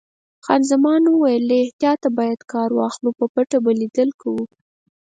خان زمان وویل: له احتیاطه باید کار واخلو، په پټه به لیدل کوو.